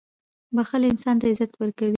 • بښل انسان ته عزت ورکوي.